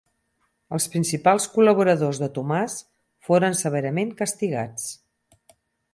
Els principals col·laboradors de Tomàs foren severament castigats.